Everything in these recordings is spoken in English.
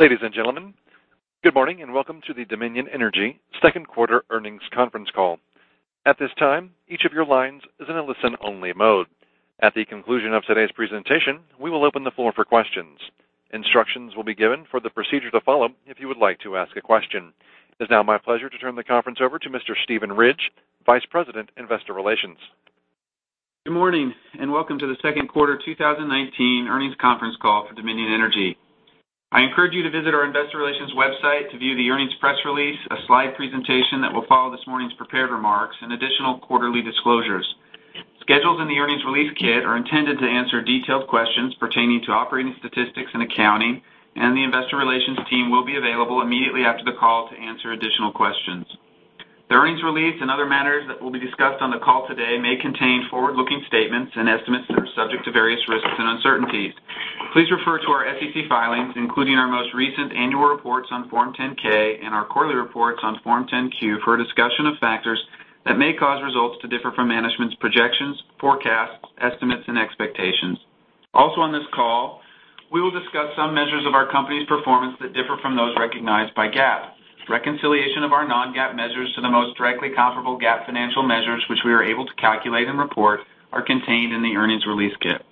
Ladies and gentlemen, good morning, and welcome to the Dominion Energy second quarter earnings conference call. At this time, each of your lines is in a listen-only mode. At the conclusion of today's presentation, we will open the floor for questions. Instructions will be given for the procedure to follow if you would like to ask a question. It's now my pleasure to turn the conference over to Mr. Steven Ridge, Vice President, Investor Relations. Good morning, and welcome to the second quarter 2019 earnings conference call for Dominion Energy. I encourage you to visit our investor relations website to view the earnings press release, a slide presentation that will follow this morning's prepared remarks, and additional quarterly disclosures. Schedules in the earnings release kit are intended to answer detailed questions pertaining to operating statistics and accounting, and the investor relations team will be available immediately after the call to answer additional questions. The earnings release and other matters that will be discussed on the call today may contain forward-looking statements and estimates that are subject to various risks and uncertainties. Please refer to our SEC filings, including our most recent annual reports on Form 10-K and our quarterly reports on Form 10-Q, for a discussion of factors that may cause results to differ from management's projections, forecasts, estimates, and expectations. Also on this call, we will discuss some measures of our company's performance that differ from those recognized by GAAP. Reconciliation of our non-GAAP measures to the most directly comparable GAAP financial measures, which we are able to calculate and report, are contained in the earnings release kit.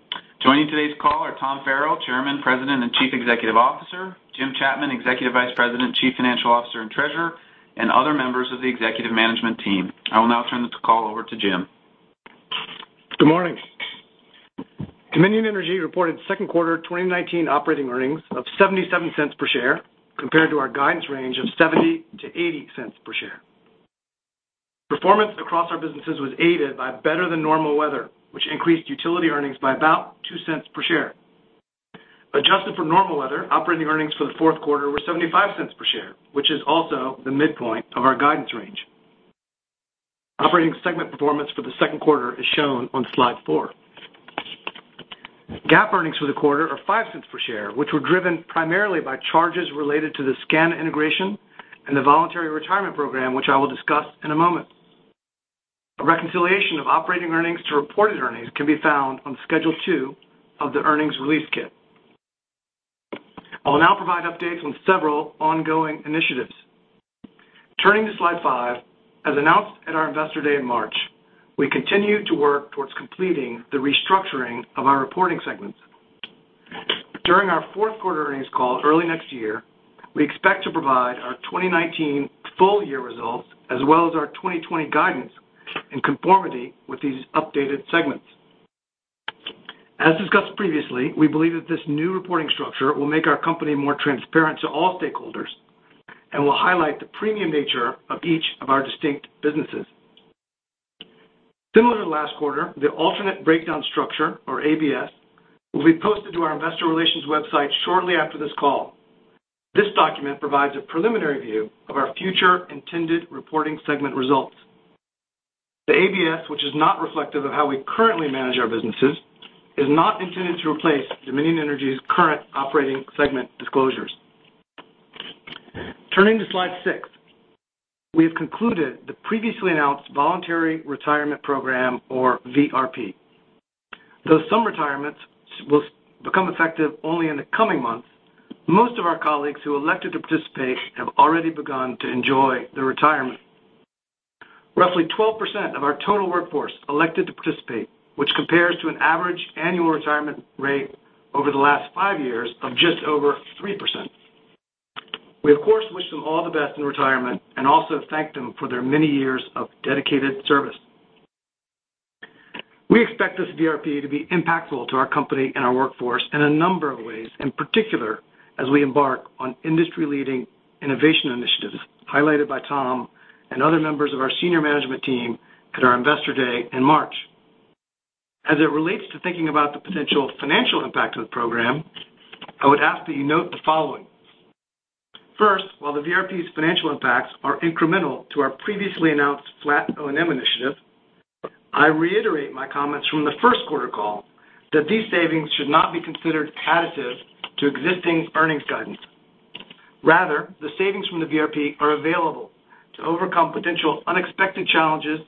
Joining today's call are Tom Farrell, Chairman, President, and Chief Executive Officer; Jim Chapman, Executive Vice President, Chief Financial Officer, and Treasurer; and other members of the executive management team. I will now turn this call over to Jim. Good morning. Dominion Energy reported second quarter 2019 operating earnings of $0.77 per share compared to our guidance range of $0.70-$0.80 per share. Performance across our businesses was aided by better-than-normal weather, which increased utility earnings by about $0.02 per share. Adjusted for normal weather, operating earnings for the fourth quarter were $0.75 per share, which is also the midpoint of our guidance range. Operating segment performance for the second quarter is shown on slide four. GAAP earnings for the quarter are $0.05 per share, which were driven primarily by charges related to the SCANA Integration and the Voluntary Retirement Program, which I will discuss in a moment. A reconciliation of operating earnings to reported earnings can be found on Schedule 2 of the earnings release kit. I will now provide updates on several ongoing initiatives. Turning to slide five. As announced at our Investor Day in March, we continue to work towards completing the restructuring of our reporting segments. During our fourth-quarter earnings call early next year, we expect to provide our 2019 full-year results as well as our 2020 guidance in conformity with these updated segments. As discussed previously, we believe that this new reporting structure will make our company more transparent to all stakeholders and will highlight the premium nature of each of our distinct businesses. Similar to last quarter, the alternate breakdown structure, or ABS, will be posted to our investor relations website shortly after this call. This document provides a preliminary view of our future intended reporting segment results. The ABS, which is not reflective of how we currently manage our businesses, is not intended to replace Dominion Energy's current operating segment disclosures. Turning to slide six. We have concluded the previously announced Voluntary Retirement Program, or VRP. Though some retirements will become effective only in the coming months, most of our colleagues who elected to participate have already begun to enjoy their retirement. Roughly 12% of our total workforce elected to participate, which compares to an average annual retirement rate over the last five years of just over 3%. We, of course, wish them all the best in retirement and also thank them for their many years of dedicated service. We expect this VRP to be impactful to our company and our workforce in a number of ways, in particular, as we embark on industry-leading innovation initiatives highlighted by Tom and other members of our senior management team at our Investor Day in March. As it relates to thinking about the potential financial impact of the program, I would ask that you note the following. First, while the VRP's financial impacts are incremental to our previously announced flat O&M initiative, I reiterate my comments from the first quarter call that these savings should not be considered additive to existing earnings guidance. Rather, the savings from the VRP are available to overcome potential unexpected challenges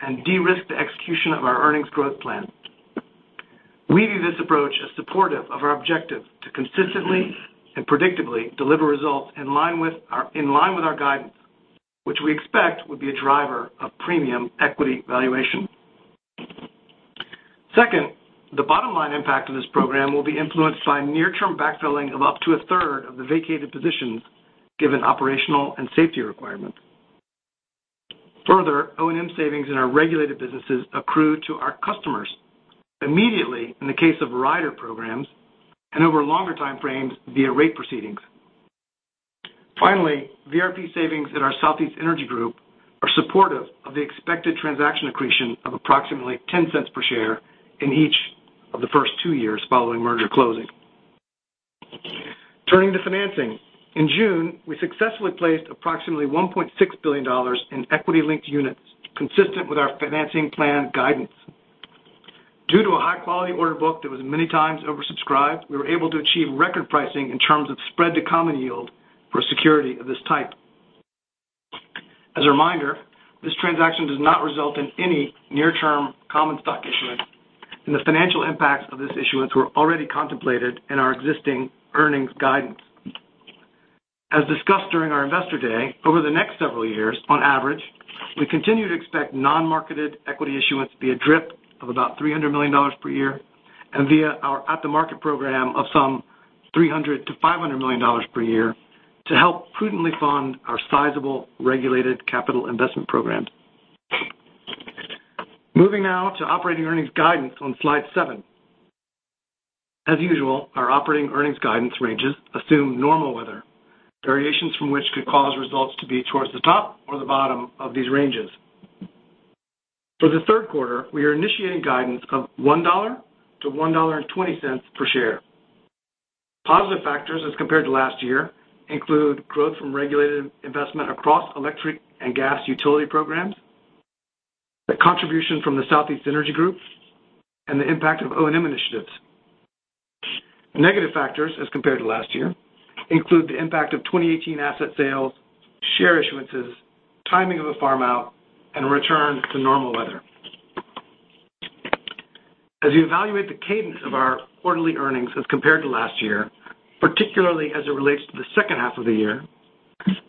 and de-risk the execution of our earnings growth plan. We view this approach as supportive of our objective to consistently and predictably deliver results in line with our guidance, which we expect would be a driver of premium equity valuation. Second, the bottom-line impact of this program will be influenced by near-term backfilling of up to a third of the vacated positions given operational and safety requirements. Further, O&M savings in our regulated businesses accrue to our customers immediately in the case of rider programs and over longer time frames via rate proceedings. VRP savings at our Southeast Energy Group are supportive of the expected transaction accretion of approximately $0.10 per share in each of the first two years following merger closing. Turning to financing. In June, we successfully placed approximately $1.6 billion in Equity Units consistent with our financing plan guidance. Due to a high-quality order book that was many times oversubscribed, we were able to achieve record pricing in terms of spread to common yield for a security of this type. A reminder, this transaction does not result in any near-term common stock issuance, and the financial impacts of this issuance were already contemplated in our existing earnings guidance. As discussed during our Investor Day, over the next several years, on average, we continue to expect non-marketed equity issuance via DRIP of about $300 million per year and via our at-the-market program of some $300 million-$500 million per year to help prudently fund our sizable regulated capital investment programs. Moving now to operating earnings guidance on slide seven. As usual, our operating earnings guidance ranges assume normal weather, variations from which could cause results to be towards the top or the bottom of these ranges. For the third quarter, we are initiating guidance of $1.00-$1.20 per share. Positive factors as compared to last year include growth from regulated investment across electric and gas utility programs, the contribution from the Southeast Energy Group, and the impact of O&M initiatives. Negative factors, as compared to last year, include the impact of 2018 asset sales, share issuances, timing of a farm-out, and a return to normal weather. As you evaluate the cadence of our quarterly earnings as compared to last year, particularly as it relates to the second half of the year,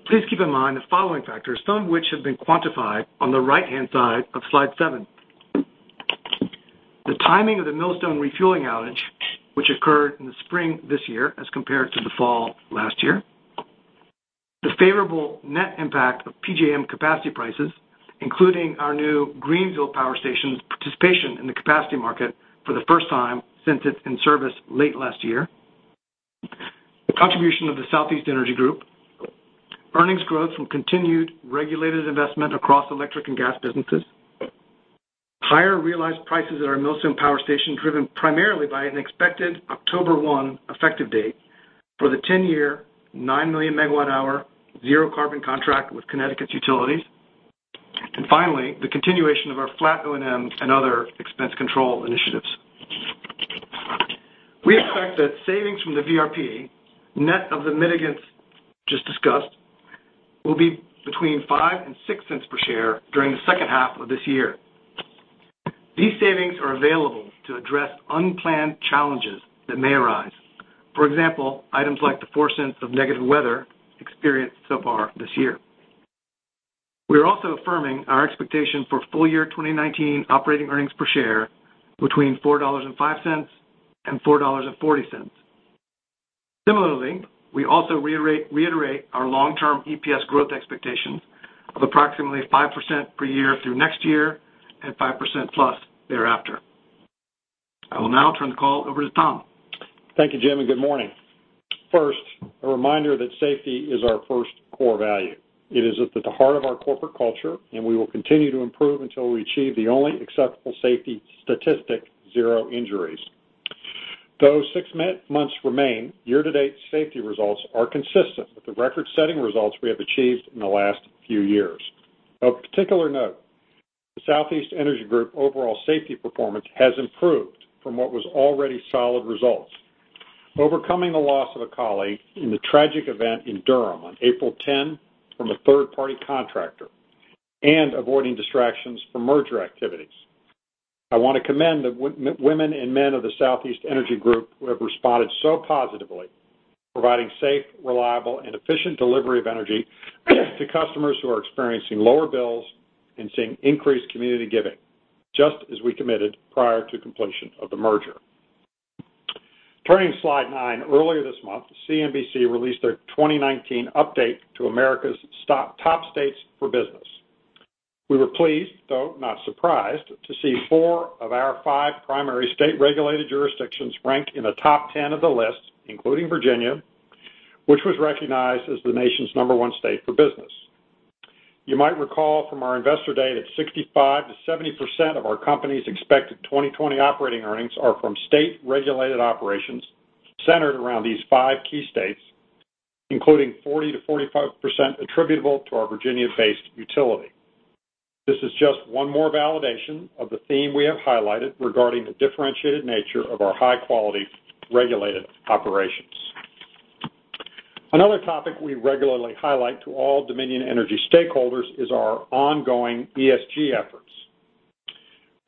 please keep in mind the following factors, some of which have been quantified on the right-hand side of slide seven. The timing of the Millstone refueling outage, which occurred in the spring this year as compared to the fall last year. The favorable net impact of PJM capacity prices, including our new Greensville power station's participation in the capacity market for the first time since it's in service late last year. The contribution of the Southeast Energy Group. Earnings growth from continued regulated investment across electric and gas businesses. Higher realized prices at our Millstone Power Station, driven primarily by an expected October 1 effective date for the 10-year, 9 million megawatt hour, zero carbon contract with Connecticut's utilities. Finally, the continuation of our flat O&M and other expense control initiatives. We expect that savings from the VRP, net of the mitigants just discussed, will be between $0.05 and $0.06 per share during the second half of this year. These savings are available to address unplanned challenges that may arise. For example, items like the $0.04 of negative weather experienced so far this year. We are also affirming our expectation for full-year 2019 operating earnings per share between $4.05 and $4.40. Similarly, we also reiterate our long-term EPS growth expectations of approximately 5% per year through next year and 5%+ thereafter. I will now turn the call over to Tom. Thank you, Jim. Good morning. First, a reminder that safety is our first core value. It is at the heart of our corporate culture, and we will continue to improve until we achieve the only acceptable safety statistic, zero injuries. Though six months remain, year-to-date safety results are consistent with the record-setting results we have achieved in the last few years. Of particular note, the Southeast Energy Group overall safety performance has improved from what was already solid results. Overcoming the loss of a colleague in the tragic event in Durham on April 10 from a third-party contractor and avoiding distractions from merger activities. I want to commend the women and men of the Southeast Energy Group who have responded so positively, providing safe, reliable, and efficient delivery of energy to customers who are experiencing lower bills and seeing increased community giving, just as we committed prior to completion of the merger. Turning to slide nine. Earlier this month, CNBC released their 2019 update to America's top states for business. We were pleased, though not surprised, to see four of our five primary state-regulated jurisdictions ranked in the top ten of the list, including Virginia, which was recognized as the nation's number one state for business. You might recall from our Investor Day that 65%-70% of our company's expected 2020 operating earnings are from state-regulated operations centered around these five key states, including 40%-45% attributable to our Virginia-based utility. This is just one more validation of the theme we have highlighted regarding the differentiated nature of our high-quality regulated operations. Another topic we regularly highlight to all Dominion Energy stakeholders is our ongoing ESG efforts.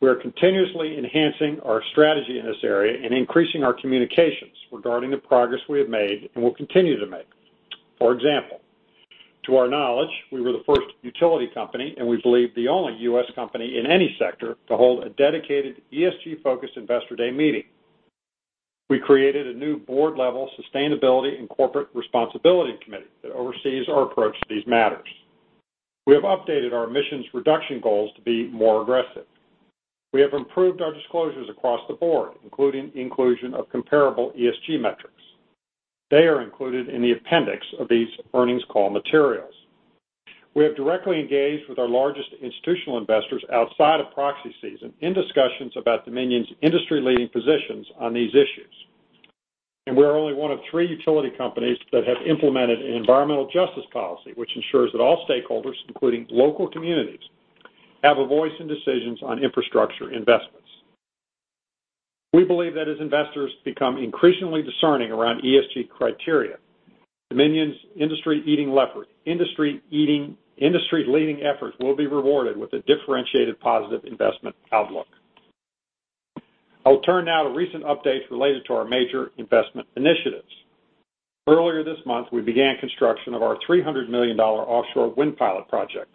We are continuously enhancing our strategy in this area and increasing our communications regarding the progress we have made and will continue to make. For example, to our knowledge, we were the first utility company, and we believe the only U.S. company in any sector, to hold a dedicated ESG-focused Investor Day meeting. We created a new board-level sustainability and corporate responsibility committee that oversees our approach to these matters. We have updated our emissions reduction goals to be more aggressive. We have improved our disclosures across the board, including the inclusion of comparable ESG metrics. They are included in the appendix of these earnings call materials. We have directly engaged with our largest institutional investors outside of proxy season in discussions about Dominion's industry-leading positions on these issues. We are only one of three utility companies that have implemented an environmental justice policy, which ensures that all stakeholders, including local communities, have a voice in decisions on infrastructure investments. We believe that as investors become increasingly discerning around ESG criteria, Dominion's industry-leading efforts will be rewarded with a differentiated positive investment outlook. I'll turn now to recent updates related to our major investment initiatives. Earlier this month, we began construction of our $300 million offshore wind pilot project.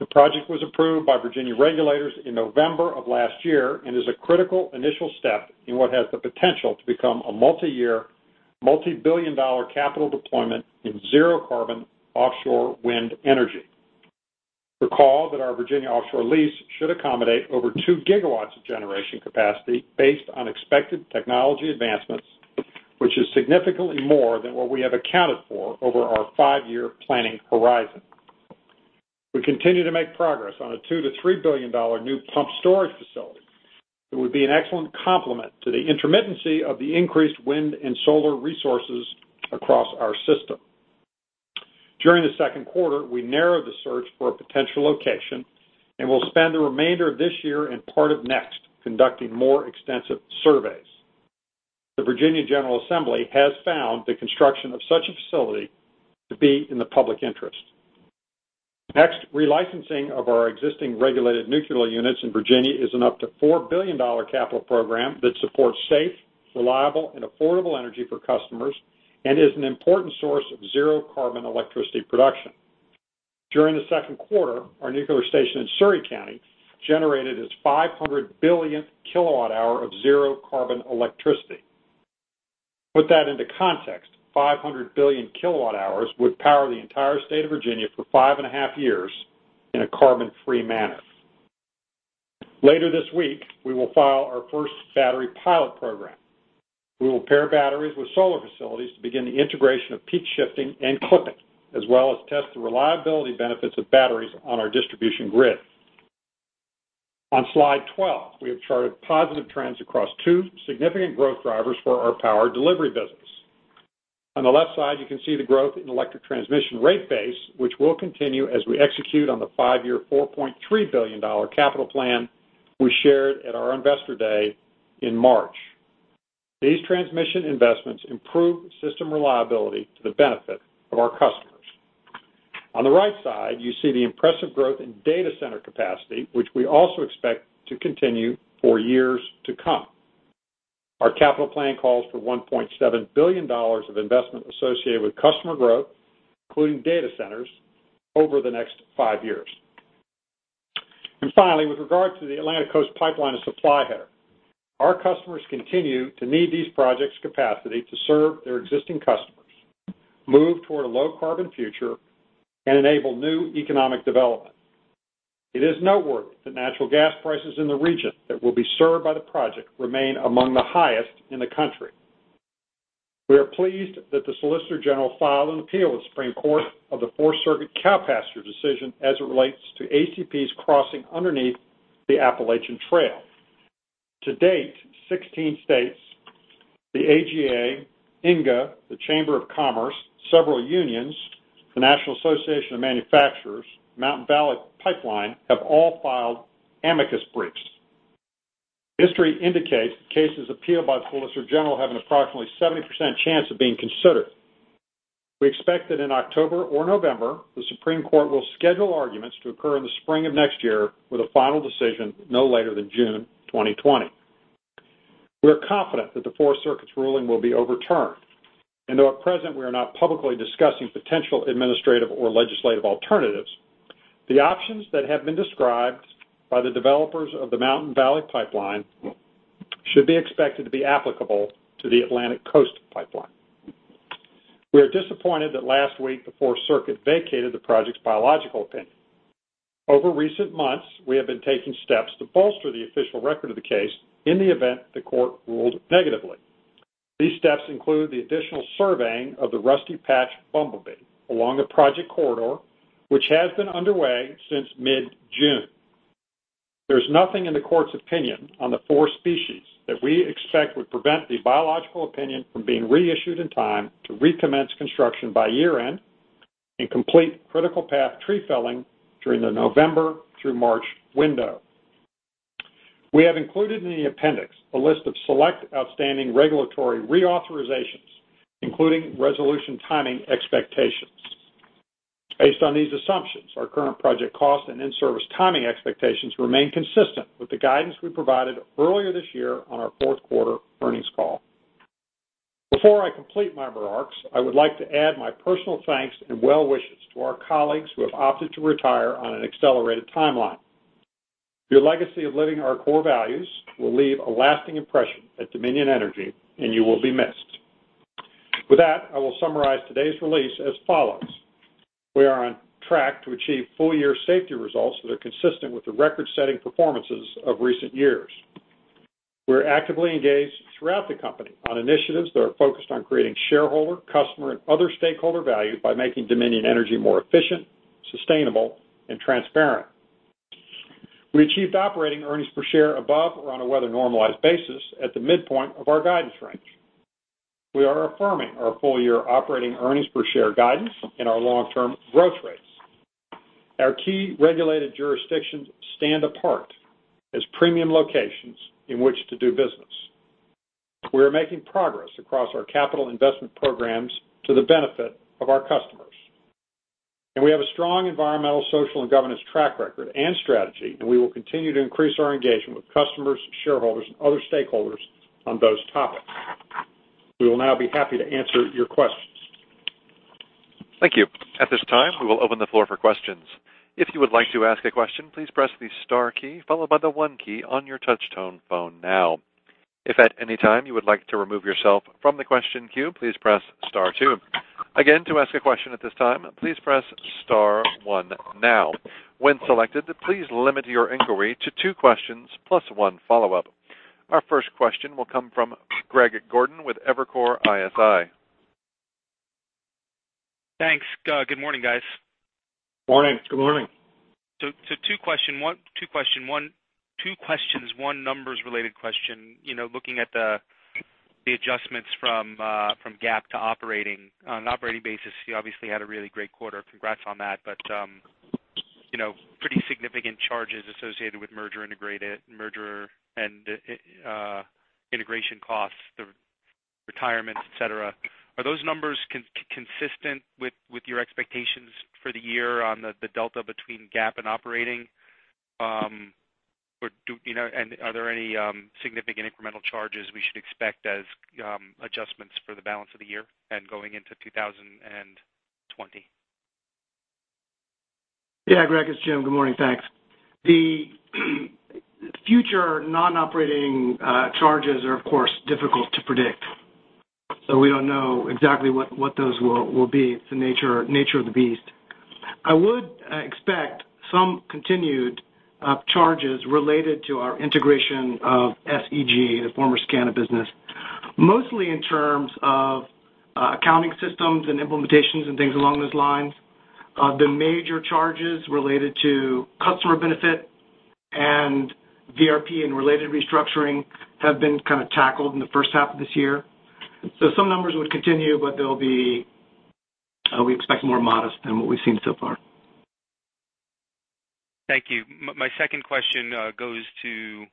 The project was approved by Virginia regulators in November of last year and is a critical initial step in what has the potential to become a multi-year, multibillion-dollar capital deployment in zero-carbon offshore wind energy. Recall that our Virginia offshore lease should accommodate over two gigawatts of generation capacity based on expected technology advancements, which is significantly more than what we have accounted for over our five-year planning horizon. We continue to make progress on a $2 billion-$3 billion new pumped storage facility. It would be an excellent complement to the intermittency of the increased wind and solar resources across our system. During the second quarter, we narrowed the search for a potential location, and we'll spend the remainder of this year and part of next conducting more extensive surveys. The Virginia General Assembly has found the construction of such a facility to be in the public interest. Relicensing of our existing regulated nuclear units in Virginia is an up to $4 billion capital program that supports safe, reliable, and affordable energy for customers and is an important source of zero-carbon electricity production. During the second quarter, our nuclear station in Surry County generated its 500 billionth kilowatt-hour of zero-carbon electricity. Put that into context. 500 billion kilowatt-hours would power the entire state of Virginia for five and a half years in a carbon-free manner. Later this week, we will file our first battery pilot program. We will pair batteries with solar facilities to begin the integration of peak shifting and clipping, as well as test the reliability benefits of batteries on our distribution grid. On slide 12, we have charted positive trends across two significant growth drivers for our power delivery business. On the left side, you can see the growth in electric transmission rate base, which will continue as we execute on the five-year $4.3 billion capital plan we shared at our Investor Day in March. These transmission investments improve system reliability to the benefit of our customers. On the right side, you see the impressive growth in data center capacity, which we also expect to continue for years to come. Our capital plan calls for $1.7 billion of investment associated with customer growth, including data centers, over the next five years. Finally, with regard to the Atlantic Coast Pipeline and Supply Header, our customers continue to need these projects capacity to serve their existing customers, move toward a low-carbon future, and enable new economic development. It is noteworthy that natural gas prices in the region that will be served by the project remain among the highest in the country. We are pleased that the Solicitor General filed an appeal to the Supreme Court of the Fourth Circuit Cowpasture decision as it relates to ACP's crossing underneath the Appalachian Trail. To date, 16 states, the AGA, INGA, the Chamber of Commerce, several unions, the National Association of Manufacturers, Mountain Valley Pipeline, have all filed amicus briefs. History indicates that cases appealed by the Solicitor General have an approximately 70% chance of being considered. We expect that in October or November, the Supreme Court will schedule arguments to occur in the spring of next year with a final decision no later than June 2020. We are confident that the Fourth Circuit's ruling will be overturned. Though at present, we are not publicly discussing potential administrative or legislative alternatives, the options that have been described by the developers of the Mountain Valley Pipeline should be expected to be applicable to the Atlantic Coast Pipeline. We are disappointed that last week, the Fourth Circuit vacated the project's biological opinion. Over recent months, we have been taking steps to bolster the official record of the case in the event the court ruled negatively. These steps include the additional surveying of the rusty patched bumblebee along the project corridor, which has been underway since mid-June. There's nothing in the court's opinion on the four species that we expect would prevent the biological opinion from being reissued in time to recommence construction by year-end and complete critical path tree felling during the November through March window. We have included in the appendix a list of select outstanding regulatory reauthorizations, including resolution timing expectations. Based on these assumptions, our current project cost and in-service timing expectations remain consistent with the guidance we provided earlier this year on our fourth-quarter earnings call. Before I complete my remarks, I would like to add my personal thanks and well wishes to our colleagues who have opted to retire on an accelerated timeline. Your legacy of living our core values will leave a lasting impression at Dominion Energy, and you will be missed. With that, I will summarize today's release as follows. We are on track to achieve full-year safety results that are consistent with the record-setting performances of recent years. We are actively engaged throughout the company on initiatives that are focused on creating shareholder, customer, and other stakeholder value by making Dominion Energy more efficient, sustainable, and transparent. We achieved operating earnings per share above or on a weather-normalized basis at the midpoint of our guidance range. We are affirming our full-year operating earnings per share guidance and our long-term growth rate. Our key regulated jurisdictions stand apart as premium locations in which to do business. We are making progress across our capital investment programs to the benefit of our customers. We have a strong environmental, social, and governance track record and strategy, and we will continue to increase our engagement with customers, shareholders, and other stakeholders on those topics. We will now be happy to answer your questions. Thank you. At this time, we will open the floor for questions. If you would like to ask a question, please press the star key followed by the one key on your touch-tone phone now. If at any time you would like to remove yourself from the question queue, please press star two. Again, to ask a question at this time, please press star one now. When selected, please limit your inquiry to two questions, plus one follow-up. Our first question will come from Greg Gordon with Evercore ISI. Thanks. Good morning, guys. Morning. Good morning. Two questions, one numbers-related question. Looking at the adjustments from GAAP to operating. On an operating basis, you obviously had a really great quarter. Congrats on that. Pretty significant charges associated with merger and integration costs, the retirements, et cetera. Are those numbers consistent with your expectations for the year on the delta between GAAP and operating? Are there any significant incremental charges we should expect as adjustments for the balance of the year and going into 2020? Yeah, Greg, it's Jim. Good morning. Thanks. The future non-operating charges are, of course, difficult to predict. We don't know exactly what those will be. It's the nature of the beast. I would expect some continued charges related to our integration of SEG, the former SCANA business, mostly in terms of accounting systems and implementations and things along those lines. The major charges related to customer benefit and VRP and related restructuring have been kind of tackled in the first half of this year. Some numbers would continue, but we expect more modest than what we've seen so far. Thank you. My second question goes to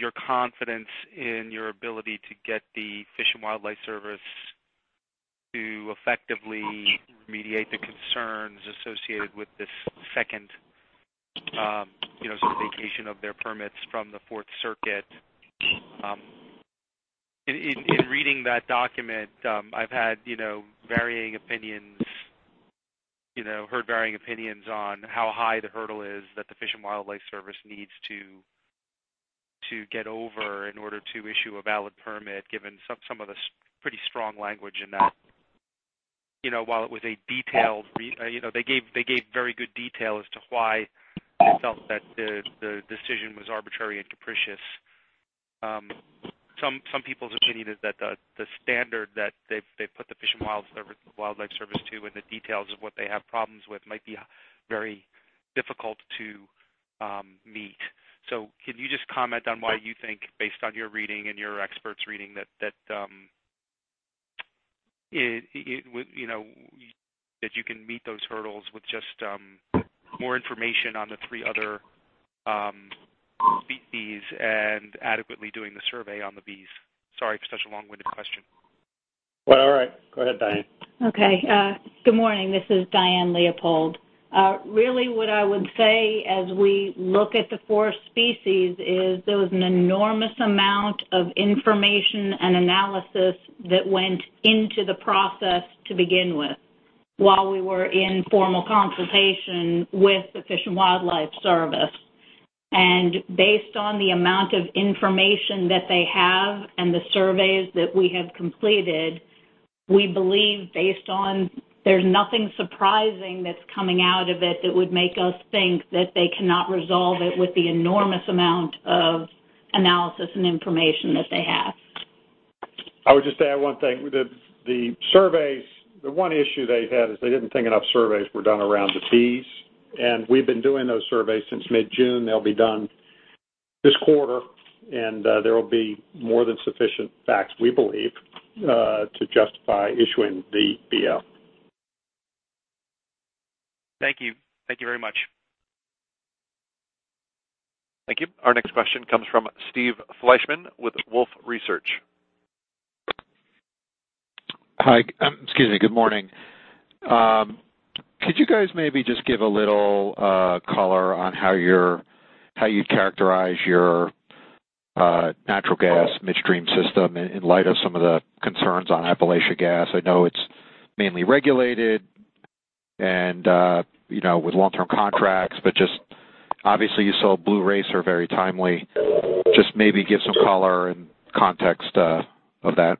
your confidence in your ability to get the Fish and Wildlife Service to effectively mediate the concerns associated with this second sort of vacation of their permits from the Fourth Circuit. In reading that document, I've heard varying opinions on how high the hurdle is that the Fish and Wildlife Service needs to get over in order to issue a valid permit, given some of the pretty strong language in that. They gave very good detail as to why they felt that the decision was arbitrary and capricious. Some people's opinion is that the standard that they've put the Fish and Wildlife Service to, and the details of what they have problems with, might be very difficult to meet. Can you just comment on why you think, based on your reading and your experts reading that you can meet those hurdles with just more information on the three other species and adequately doing the survey on the bees? Sorry for such a long-winded question. Well, all right. Go ahead, Diane. Okay. Good morning. This is Diane Leopold. Really what I would say as we look at the four species is there was an enormous amount of information and analysis that went into the process to begin with while we were in formal consultation with the Fish and Wildlife Service. Based on the amount of information that they have and the surveys that we have completed, we believe there's nothing surprising that's coming out of it that would make us think that they cannot resolve it with the enormous amount of analysis and information that they have. I would just add one thing. The one issue they had is they didn't think enough surveys were done around the bees. We've been doing those surveys since mid-June. They'll be done this quarter. There will be more than sufficient facts, we believe, to justify issuing the BO. Thank you. Thank you very much. Thank you. Our next question comes from Steve Fleishman with Wolfe Research. Hi. Excuse me. Good morning. Could you guys maybe just give a little color on how you characterize your natural gas midstream system in light of some of the concerns on Appalachia Gas? I know it's mainly regulated and with long-term contracts, but just obviously you saw Blue Racer very timely. Just maybe give some color and context of that.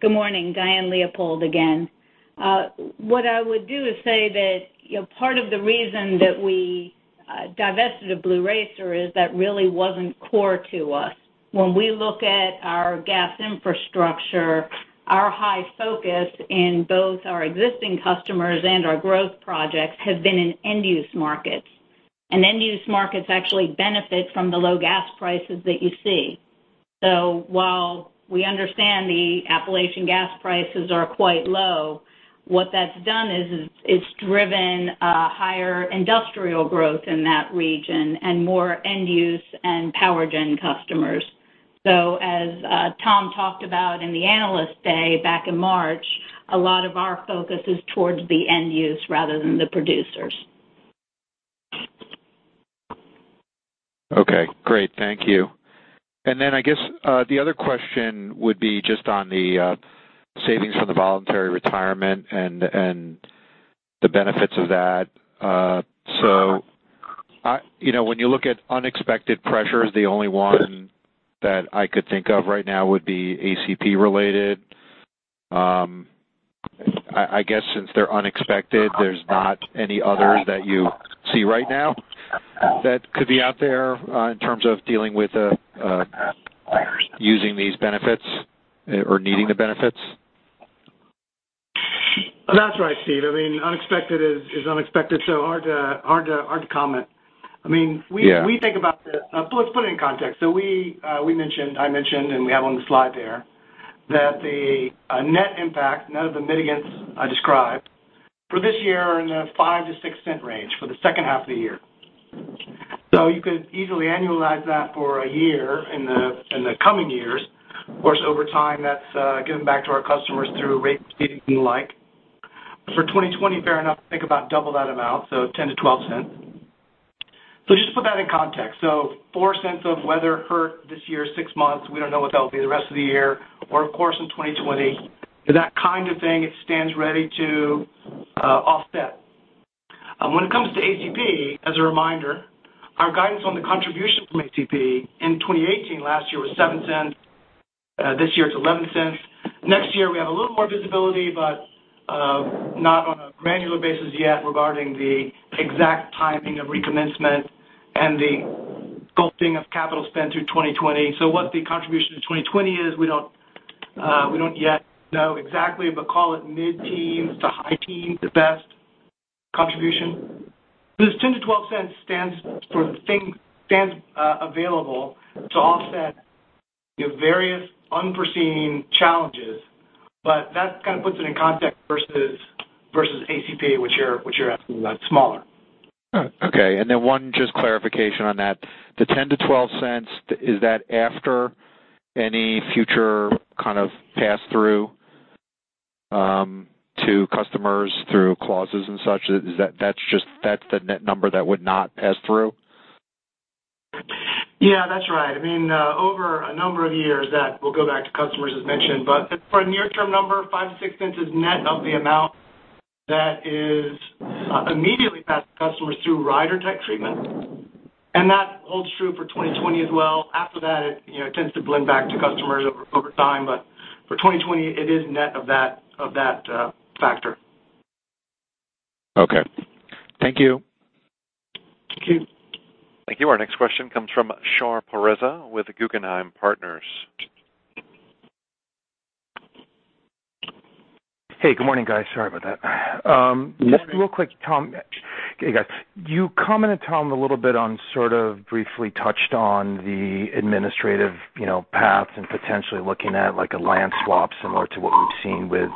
Good morning. Diane Leopold again. What I would do is say that part of the reason that we divested Blue Racer is that really wasn't core to us. When we look at our gas infrastructure, our high focus in both our existing customers and our growth projects have been in end-use markets. End-use markets actually benefit from the low gas prices that you see. While we understand the Appalachian gas prices are quite low, what that's done is it's driven a higher industrial growth in that region and more end-use and power gen customers. As Tom talked about in the Investor Day back in March, a lot of our focus is towards the end-use rather than the producers. Okay, great. Thank you. I guess the other question would be just on the savings from the voluntary retirement and the benefits of that. When you look at unexpected pressures, the only one that I could think of right now would be ACP related. I guess since they're unexpected, there's not any others that you see right now that could be out there, in terms of dealing with using these benefits or needing the benefits? That's right, Steve. I mean, unexpected is unexpected, so hard to comment. Yeah. I mentioned, and we have on the slide there, that the net impact, none of the mitigants I described, for this year are in the $0.05-$0.06 range for the second half of the year. You could easily annualize that for a year, in the coming years. Of course, over time, that's given back to our customers through rate like. For 2020, fair enough, think about double that amount, so $0.10-$0.12. Just to put that in context, so $0.04 of weather hurt this year, six months. We don't know what that'll be the rest of the year or, of course, in 2020. That kind of thing, it stands ready to offset. When it comes to ACP, as a reminder, our guidance on the contribution from ACP in 2018, last year, was $0.07. This year it's $0.11. Next year, we have a little more visibility, but not on a manual basis yet regarding the exact timing of recommencement and the sculpting of capital spend through 2020. What the contribution to 2020 is, we don't yet know exactly, but call it mid-teens to high teens at best contribution. This $0.10-$0.12 stands available to offset your various unforeseen challenges. That kind of puts it in context versus ACP, which you're asking about. It's smaller. Okay. Then one just clarification on that. The $0.10-$0.12, is that after any future kind of pass-through to customers through clauses and such? That's the net number that would not pass through? Yeah, that's right. Over a number of years, that will go back to customers, as mentioned. For a near-term number, $0.05-$0.06 is net of the amount that is immediately passed to customers through rider type treatment. That holds true for 2020 as well. After that, it tends to blend back to customers over time. For 2020, it is net of that factor. Okay. Thank you. Thank you. Thank you. Our next question comes from Shahriar Pourreza with Guggenheim Partners. Hey, good morning, guys. Sorry about that. Good morning. Real quick, Tom. Okay, guys. You commented, Tom, a little bit on, sort of briefly touched on the administrative paths and potentially looking at a land swap similar to what we've seen with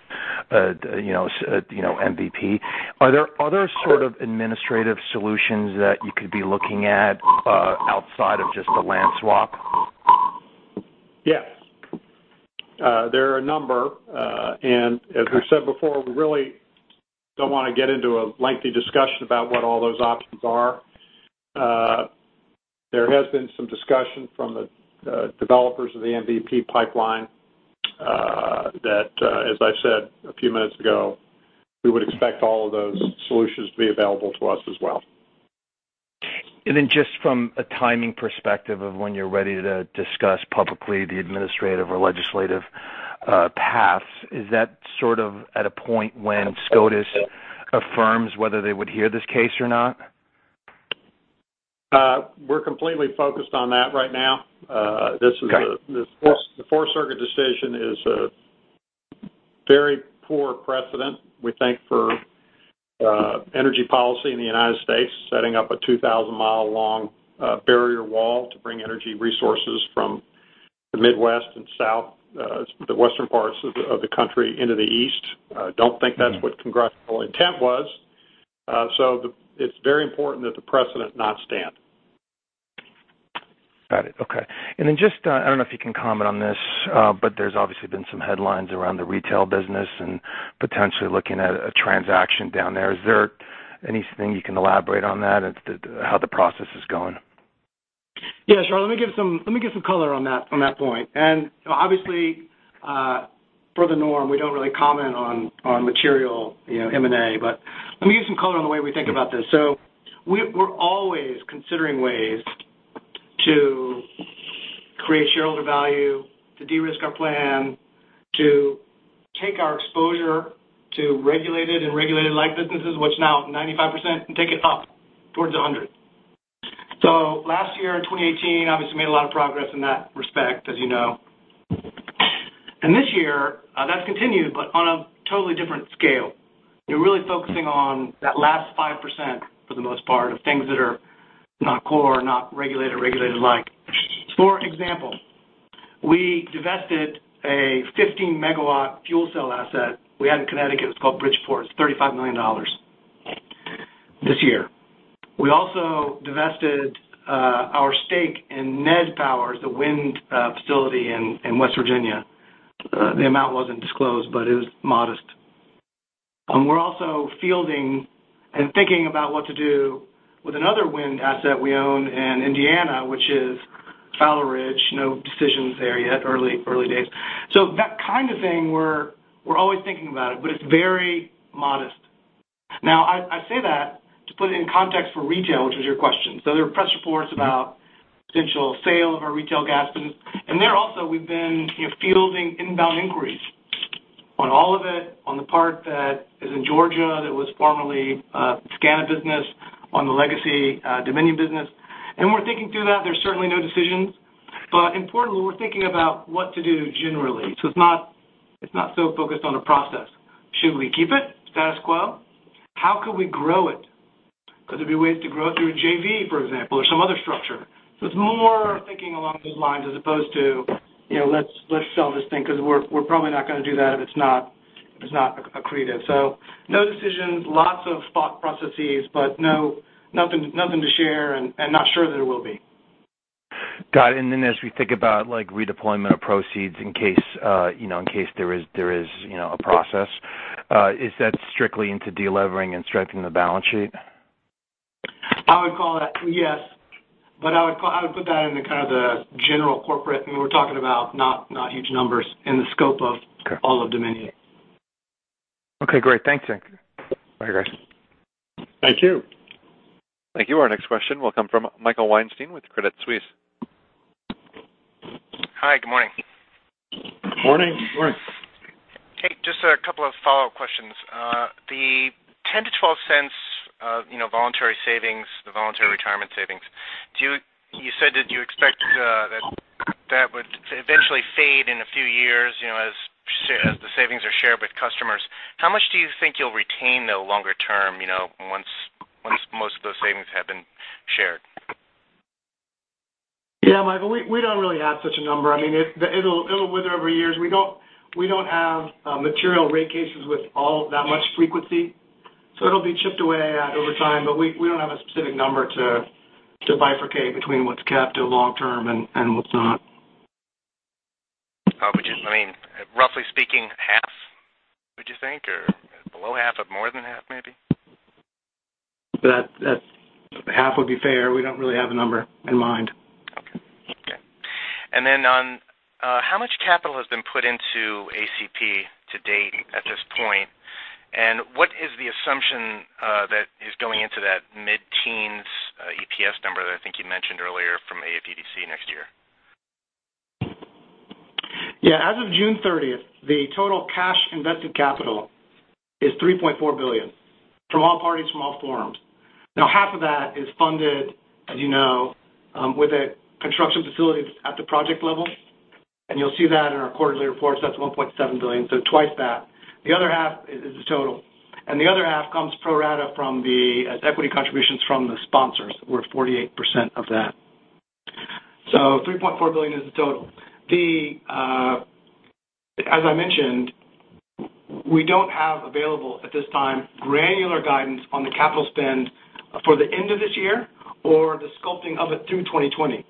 MVP. Are there other sort of administrative solutions that you could be looking at outside of just the land swap? Yes. There are a number. As we said before, we really don't want to get into a lengthy discussion about what all those options are. There has been some discussion from the developers of the MVP pipeline, that, as I said a few minutes ago, we would expect all of those solutions to be available to us as well. Just from a timing perspective of when you're ready to discuss publicly the administrative or legislative paths, is that sort of at a point when SCOTUS affirms whether they would hear this case or not? We're completely focused on that right now. Okay. The Fourth Circuit decision is a very poor precedent, we think, for energy policy in the United States, setting up a 2,000-mile-long barrier wall to bring energy resources from the Midwest and South, the Western parts of the country, into the East. Don't think that's what congressional intent was. It's very important that the precedent not stand. Got it. Okay. Then just, I don't know if you can comment on this, but there's obviously been some headlines around the retail business and potentially looking at a transaction down there. Is there anything you can elaborate on that, how the process is going? Yeah, Shar, let me give some color on that point. Obviously, per the norm, we don't really comment on material M&A, but let me give some color on the way we think about this. We're always considering ways to create shareholder value, to de-risk our plan, to take our exposure to regulated and regulated-like businesses, which now is 95%, and take it up towards 100. Last year, in 2018, obviously made a lot of progress in that respect, as you know. This year, that's continued, but on a totally different scale. We're really focusing on that last 5%, for the most part, of things that are not core or not regulated-like. For example, we divested a 15-megawatt fuel cell asset we had in Connecticut, it was called Bridgeport. It's $35 million this year. We also divested our stake in NedPower, the wind facility in West Virginia. The amount wasn't disclosed, it was modest. We're also fielding and thinking about what to do with another wind asset we own in Indiana, which is Fowler Ridge, no decisions there yet, early days. That kind of thing, we're always thinking about it, but it's very modest. Now, I say that to put it in context for retail, which was your question. There are press reports about potential sale of our retail gas business. There also, we've been fielding inbound inquiries on all of it, on the part that is in Georgia that was formerly a SCANA business, on the legacy Dominion business. We're thinking through that. There's certainly no decisions. Importantly, we're thinking about what to do generally. It's not so focused on a process. Should we keep it, status quo? How could we grow it? Could there be ways to grow it through a JV, for example, or some other structure? It's more thinking along those lines as opposed to, let's sell this thing because we're probably not going to do that if it's not accretive. No decisions, lots of thought processes, but nothing to share and not sure that there will be. Then as we think about redeployment of proceeds in case there is a process, is that strictly into de-levering and strengthening the balance sheet? I would call that yes. I would put that in the kind of the general corporate, we're talking about not huge numbers in the scope of. Okay all of Dominion. Okay, great. Thanks. Bye, guys. Thank you. Thank you. Our next question will come from Michael Weinstein with Credit Suisse. Hi, good morning. Morning. Morning. Okay, just a couple of follow-up questions. The $0.10-$0.12, voluntary savings, the voluntary retirement savings, you said that you expect that that would eventually fade in a few years as the savings are shared with customers. How much do you think you'll retain, though, longer term, once most of those savings have been shared? Yeah, Michael, we don't really have such a number. It'll wither over years. We don't have material rate cases with all of that much frequency, so it'll be chipped away at over time. We don't have a specific number to bifurcate between what's kept long term and what's not. Roughly speaking, half, would you think, or below half, but more than half, maybe? Half would be fair. We don't really have a number in mind. Okay. How much capital has been put into ACP to date at this point, and what is the assumption that is going into that mid-teens EPS number that I think you mentioned earlier from ACP next year? Yeah. As of June 30th, the total cash invested capital is $3.4 billion from all parties, from all forms. Half of that is funded, as you know, with the construction facilities at the project level, and you'll see that in our quarterly reports. That's $1.7 billion, so twice that. The other half is the total. The other half comes pro rata from the equity contributions from the sponsors, we're 48% of that. $3.4 billion is the total. As I mentioned, we don't have available at this time granular guidance on the capital spend for the end of this year or the sculpting of it through 2020.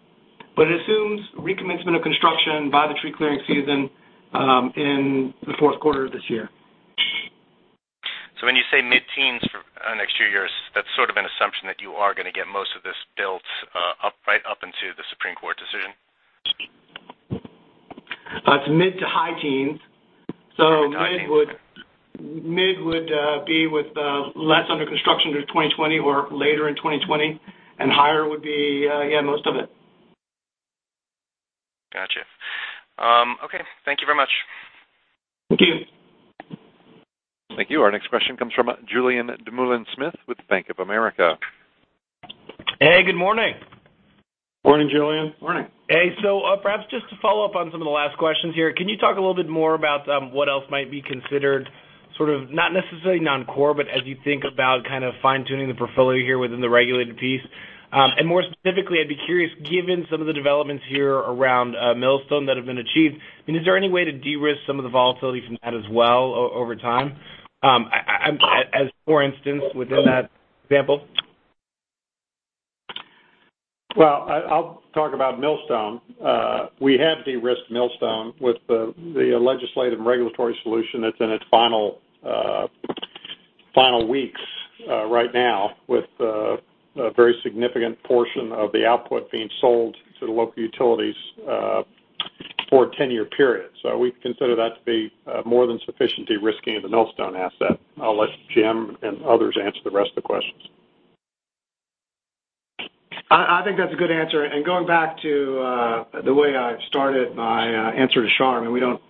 It assumes recommencement of construction by the tree clearing season in the fourth quarter of this year. When you say mid-teens for next few years, that's sort of an assumption that you are going to get most of this built up right up into the Supreme Court decision? It's mid to high teens. Mid to high teens. Okay. Mid would be with less under construction through 2020 or later in 2020, and higher would be most of it. Got you. Okay. Thank you very much. Thank you. Thank you. Our next question comes from Julien Dumoulin-Smith with Bank of America. Hey, good morning. Morning, Julien. Morning. Hey, perhaps just to follow up on some of the last questions here, can you talk a little bit more about what else might be considered sort of not necessarily non-core, but as you think about kind of fine-tuning the portfolio here within the regulated piece? More specifically, I'd be curious, given some of the developments here around Millstone that have been achieved, I mean, is there any way to de-risk some of the volatility from that as well over time? As for instance, within that example? Well, I'll talk about Millstone. We have de-risked Millstone with the legislative and regulatory solution that's in its final weeks right now, with a very significant portion of the output being sold to the local utilities for a 10-year period. We consider that to be more than sufficient de-risking of the Millstone asset. I'll let Jim and others answer the rest of the questions. I think that's a good answer. Going back to the way I started my answer to Shar, and we don't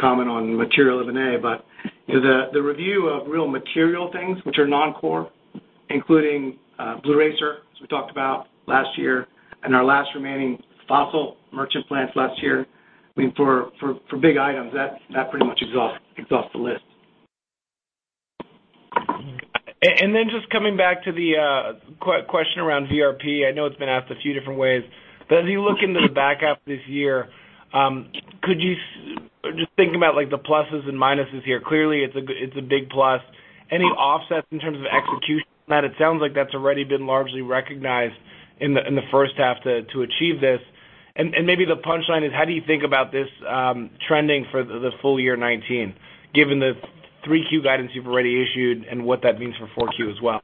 comment on material M&A, but the review of real material things which are non-core including Blue Racer, as we talked about last year, and our last remaining fossil merchant plants last year. I mean, for big items, that pretty much exhausts the list. Just coming back to the question around VRP. I know it's been asked a few different ways, but as you look into the backup this year, just thinking about the pluses and minuses here, clearly it's a big plus. Any offsets in terms of execution on that? It sounds like that's already been largely recognized in the first half to achieve this. Maybe the punchline is, how do you think about this trending for the full year 2019, given the three Q guidance you've already issued and what that means for four Q as well?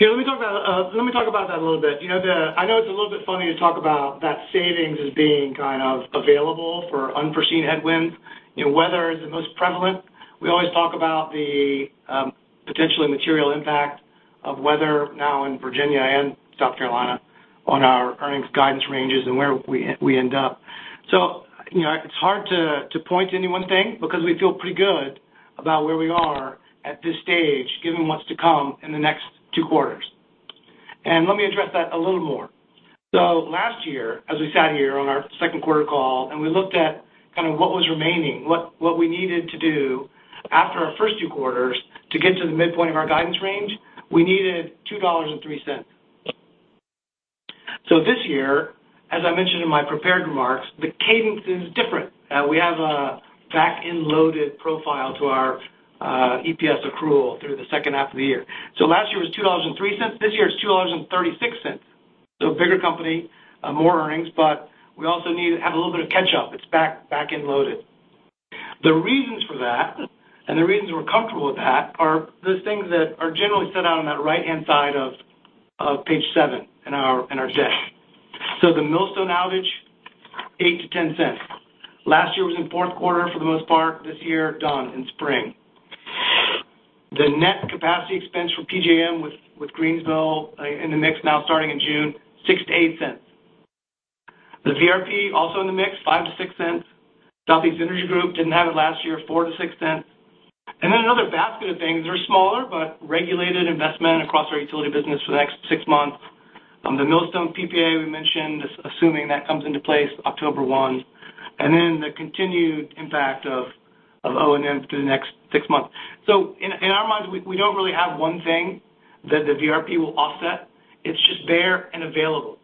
Yeah, let me talk about that a little bit. I know it's a little bit funny to talk about that savings as being kind of available for unforeseen headwinds. Weather is the most prevalent. We always talk about the potentially material impact of weather now in Virginia and South Carolina on our earnings guidance ranges and where we end up. It's hard to point to any one thing, because we feel pretty good about where we are at this stage, given what's to come in the next two quarters. Let me address that a little more. Last year, as we sat here on our second quarter call, and we looked at kind of what was remaining, what we needed to do after our first two quarters to get to the midpoint of our guidance range, we needed $2.03. This year, as I mentioned in my prepared remarks, the cadence is different. We have a back-end loaded profile to our EPS accrual through the second half of the year. Last year was $2.03. This year it's $2.36. Bigger company, more earnings, we also need to have a little bit of catch-up. It's back-end loaded. The reasons for that, and the reasons we're comfortable with that, are the things that are generally set out on that right-hand side of page seven in our deck. The Millstone outage, $0.08-$0.10. Last year was in fourth quarter for the most part. This year, done in spring. The net capacity expense for PJM with Greensville in the mix now starting in June, $0.06-$0.08. The VRP also in the mix, $0.05-$0.06. Southeast Energy Group, didn't have it last year, $0.04-$0.06. Another basket of things, they're smaller, but regulated investment across our utility business for the next six months. The Millstone PPA we mentioned, assuming that comes into place October 1. The continued impact of O&M through the next six months. In our minds, we don't really have one thing that the VRP will offset. It's just there and available.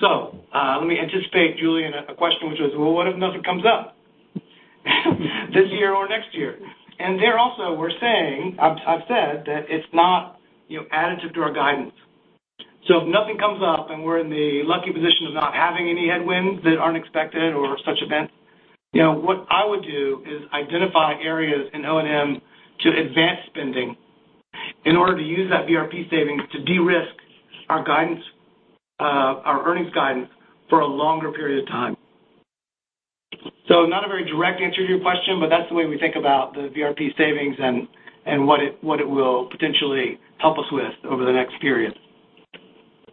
Let me anticipate, Julien, a question, which was, "Well, what if nothing comes up this year or next year?" There also, I've said that it's not additive to our guidance. If nothing comes up and we're in the lucky position of not having any headwinds that aren't expected or such event, what I would do is identify areas in O&M to advance spending in order to use that VRP savings to de-risk our earnings guidance for a longer period of time. Not a very direct answer to your question, but that's the way we think about the VRP savings and what it will potentially help us with over the next period.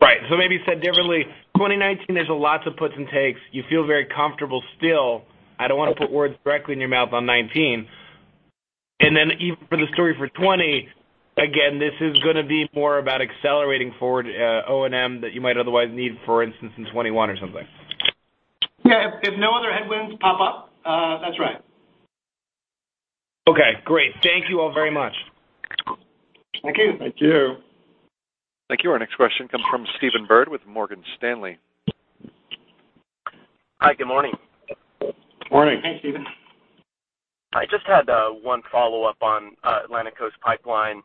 Right. Maybe said differently, 2019, there's lots of puts and takes. You feel very comfortable still. I don't want to put words directly in your mouth on 2019. Even for the story for 2020, again, this is going to be more about accelerating forward O&M that you might otherwise need, for instance, in 2021 or something. Yeah, if no other headwinds pop up. That's right. Okay, great. Thank you all very much. Thank you. Thank you. Thank you. Our next question comes from Stephen Byrd with Morgan Stanley. Hi, good morning. Morning. Hey, Stephen. I just had one follow-up on Atlantic Coast Pipeline.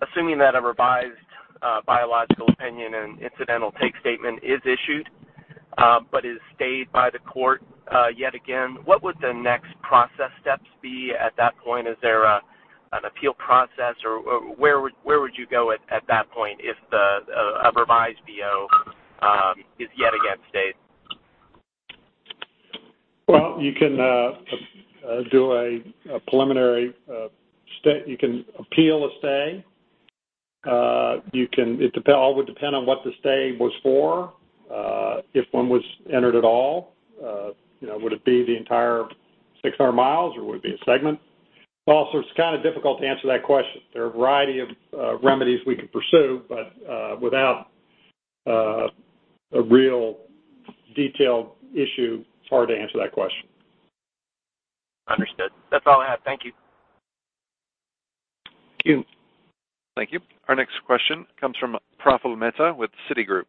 Assuming that a revised biological opinion and incidental take statement is issued, but is stayed by the court, yet again, what would the next process steps be at that point? Is there an appeal process, or where would you go at that point if a revised BO is yet again stayed? Well, you can appeal a stay. It would depend on what the stay was for. If one was entered at all. Would it be the entire 600 miles, or would it be a segment? It's kind of difficult to answer that question. There are a variety of remedies we could pursue, but without a real detailed issue, it's hard to answer that question. Understood. That's all I have. Thank you. Thank you. Thank you. Our next question comes from Praful Mehta with Citigroup.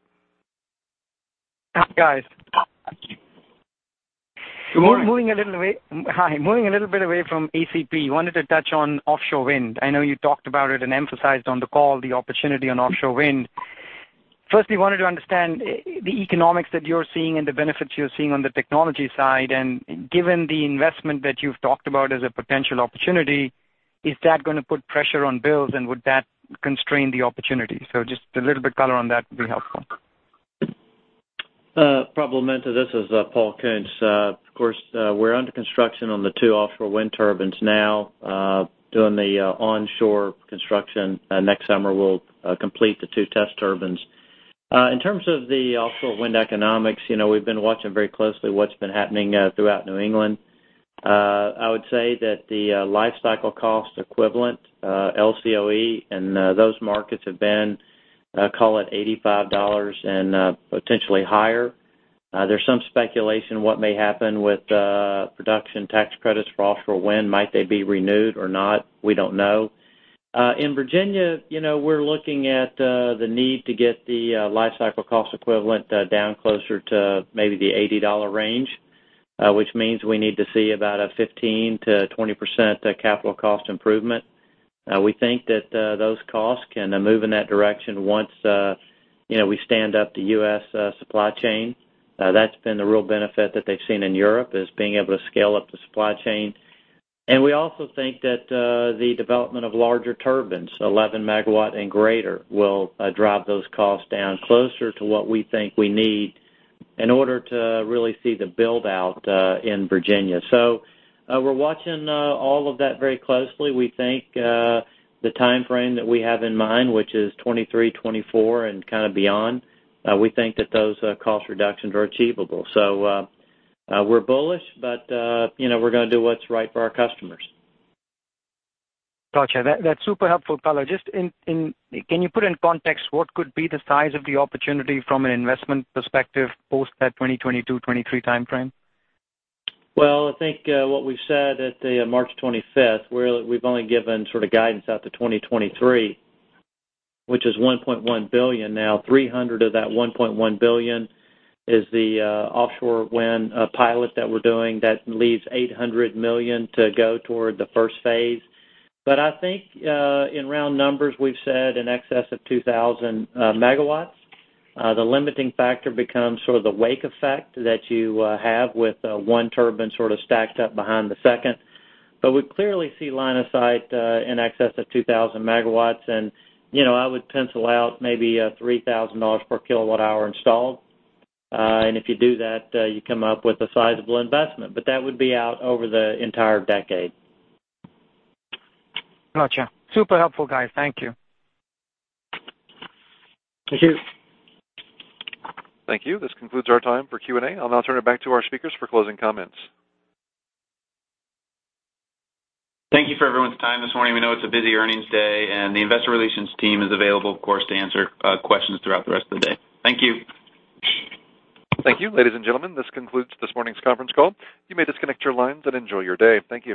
Hi, guys. Good morning. Morning. Hi. Moving a little bit away from ACP, wanted to touch on offshore wind. I know you talked about it and emphasized on the call the opportunity on offshore wind. First, we wanted to understand the economics that you're seeing and the benefits you're seeing on the technology side, and given the investment that you've talked about as a potential opportunity, is that going to put pressure on bills, and would that constrain the opportunity? Just a little bit color on that would be helpful. Praful Mehta, this is Paul Koonce. Of course, we're under construction on the two offshore wind turbines now, doing the onshore construction. Next summer, we'll complete the two test turbines. In terms of the offshore wind economics, we've been watching very closely what's been happening throughout New England. I would say that the life cycle cost equivalent, LCOE, in those markets have been, call it $85 and potentially higher. There's some speculation what may happen with production tax credits for offshore wind. Might they be renewed or not? We don't know. In Virginia, we're looking at the need to get the life cycle cost equivalent down closer to maybe the $80 range, which means we need to see about a 15%-20% capital cost improvement. We think that those costs can move in that direction once we stand up the U.S. supply chain. That's been the real benefit that they've seen in Europe, is being able to scale up the supply chain. We also think that the development of larger turbines, 11 megawatt and greater, will drive those costs down closer to what we think we need in order to really see the build-out in Virginia. We're watching all of that very closely. We think the timeframe that we have in mind, which is 2023, 2024, and kind of beyond, we think that those cost reductions are achievable. We're bullish, but we're going to do what's right for our customers. Got you. That's super helpful color. Can you put in context what could be the size of the opportunity from an investment perspective post that 2022, 2023 timeframe? Well, I think what we've said at the March 25th, we've only given sort of guidance out to 2023, which is $1.1 billion now. 300 of that $1.1 billion is the offshore wind pilot that we're doing. That leaves $800 million to go toward the first phase. I think, in round numbers, we've said in excess of 2,000 megawatts. The limiting factor becomes sort of the wake effect that you have with one turbine sort of stacked up behind the second. We clearly see line of sight in excess of 2,000 megawatts and I would pencil out maybe $3,000 per kilowatt hour installed. If you do that, you come up with a sizable investment. That would be out over the entire decade. Got you. Super helpful, guys. Thank you. Thank you. Thank you. This concludes our time for Q&A. I'll now turn it back to our speakers for closing comments. Thank you for everyone's time this morning. We know it's a busy earnings day, and the investor relations team is available, of course, to answer questions throughout the rest of the day. Thank you. Thank you. Ladies and gentlemen, this concludes this morning's conference call. You may disconnect your lines and enjoy your day. Thank you.